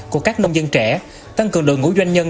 của các nông dân trẻ tăng cường đội ngũ doanh nhân